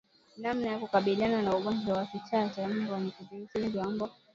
Namna ya kukabiliana na ugonjwa wa kichaa cha mbwa ni kudhibiti wingi wa mbwa